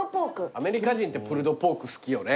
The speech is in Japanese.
アメリカ人ってプルドポーク好きよね。